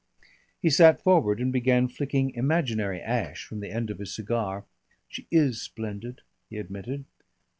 He sat forward and began flicking imaginary ash from the end of his cigar. "She is splendid," he admitted.